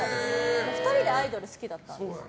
２人でアイドル好きだったんです。